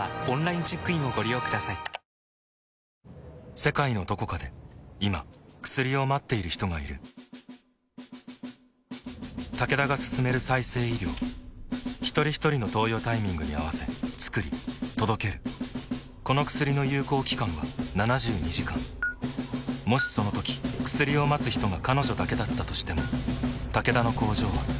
世界のどこかで今薬を待っている人がいるタケダが進める再生医療ひとりひとりの投与タイミングに合わせつくり届けるこの薬の有効期間は７２時間もしそのとき薬を待つ人が彼女だけだったとしてもタケダの工場は彼女のために動くだろう